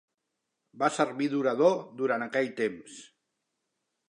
Va servir d'orador durant aquell temps.